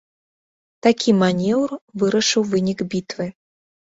Такі манеўр вырашыў вынік бітвы.